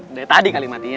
udah tadi kali matinya